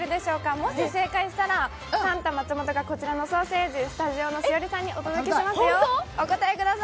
もし正解したらサンタ松元がこちらのソーセージ、スタジオの栞里さんにお届けしますよ。